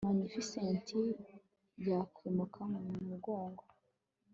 magnificent, yakwimuka mumugongo